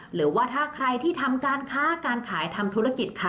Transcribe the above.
หรือว่าถ้าใครที่ทำการค้าการขายทำธุรกิจค่ะ